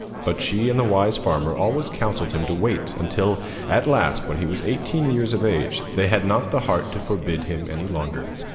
But she and the wise farmer always counselled him to wait, until, at last, when he was eighteen years of age, they had not the heart to forbid him any longer.